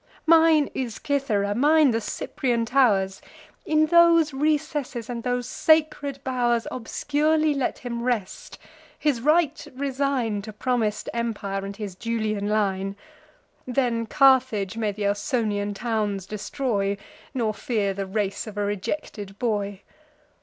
Mine is Cythera, mine the Cyprian tow'rs: In those recesses, and those sacred bow'rs, Obscurely let him rest; his right resign To promis'd empire, and his Julian line. Then Carthage may th' Ausonian towns destroy, Nor fear the race of a rejected boy.